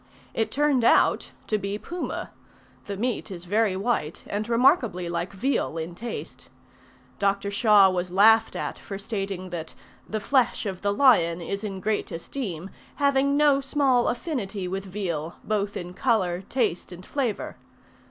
It turned out to be Puma; the meat is very white and remarkably like veal in taste. Dr. Shaw was laughed at for stating that "the flesh of the lion is in great esteem having no small affinity with veal, both in colour, taste, and flavour."